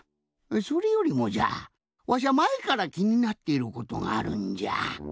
それよりもじゃわしゃまえからきになっていることがあるんじゃ。